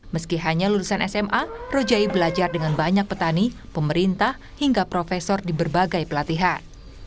meski hanya lulusan sma rojai belajar dengan banyak petani pemerintah hingga profesor di berbagai pelatihan